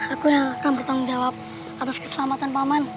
aku yang akan bertanggung jawab atas keselamatan paman